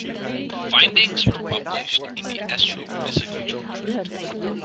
The findings were published in "The Astrophysical Journal".